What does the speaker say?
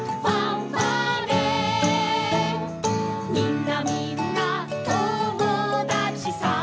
「みんなみんな友だちさ」